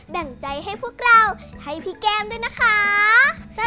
แบ่งใจให้พวกเราให้พี่แก้มด้วยนะคะ